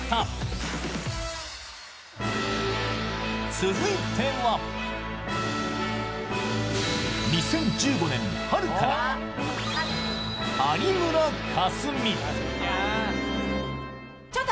続いては２０１５年春から有村架純。